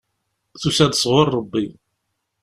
Tusa-d sɣur Rebbi.